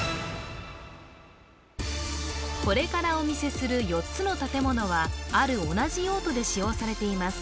これからお見せする４つの建物はある同じ用途で使用されています